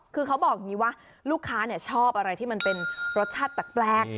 คือเขาบอกอย่างนี้ว่าลูกค้าชอบอะไรที่มันเป็นรสชาติแปลก